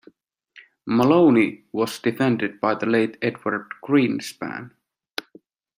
Molony was defended by the late Edward Greenspan.